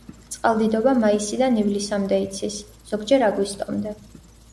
წყალდიდობა მაისიდან ივლისამდე იცის, ზოგჯერ აგვისტომდე.